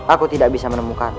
aku tidak bisa menemukanku